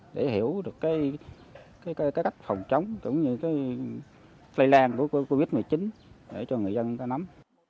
để hiểu được cách phòng chống tưởng như là lây lan của covid một mươi chín để cho người dân nắm